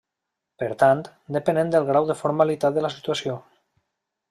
Per tant, depenen del grau de formalitat de la situació.